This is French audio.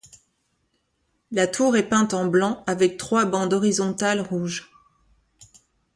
La tour est peinte en blanc avec trois bandes horizontales rouges.